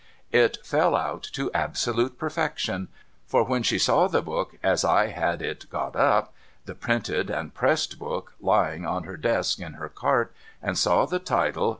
It fell out to absolute perfection. For when she saw the book, as I had it got up, — the printed and pressed book, — lying on her desk in her cart, and saw the title.